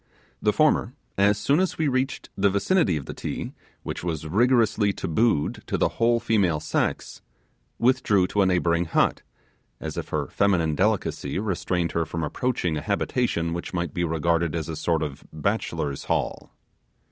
The former, as soon as we reached the vicinity of the Ti which was rigorously tabooed to the whole female sex withdrew to a neighbouring hut, as if her feminine delicacy 'restricted' her from approaching a habitation which might be regarded as a sort of Bachelor's Hall.